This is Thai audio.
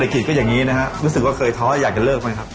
กิจก็อย่างนี้นะครับรู้สึกว่าเคยท้ออยากจะเลิกไหมครับ